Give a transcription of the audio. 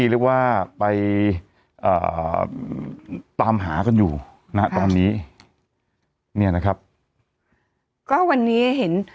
เรียกว่าไปเอ่อตามหากันอยู่นะตอนนี้เนี่ยนะครับก็วันนี้เห็น